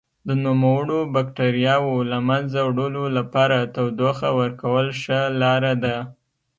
د نوموړو بکټریاوو له منځه وړلو لپاره تودوخه ورکول ښه لاره ده.